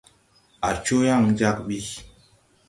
Á coo yaŋ jag ɓi.